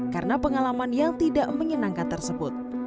karena pengalaman yang tidak menyenangkan tersebut